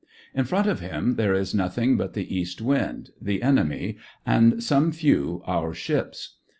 In front of him there is nothing but the east wind, the enemy, and some few our ships.